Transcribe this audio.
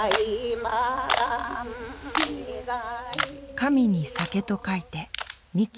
神に酒と書いて「神酒」。